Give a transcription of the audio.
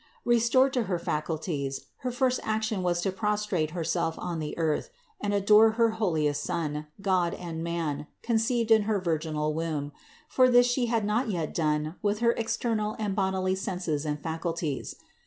Restored to her faculties, her first action was to prostrate Herself on the earth and adore her holiest Son, God and Man, conceived in her virginal 124 CITY OF GOD womb; for this She had not yet done with her external and bodily senses and faculties.